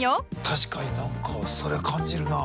確かに何かそれは感じるな。